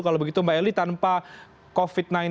kalau begitu mbak eli tanpa covid sembilan belas